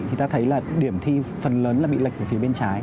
thì ta thấy là điểm thi phần lớn là bị lệch ở phía bên trái